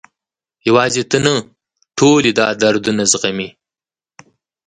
یوازې ته نه، ټول یې دا دردونه زغمي.